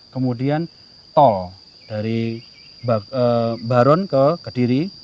kemudian tol dari baron ke kediri